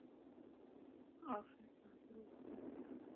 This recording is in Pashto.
آفس، براوزر، او ډیزاین سافټویر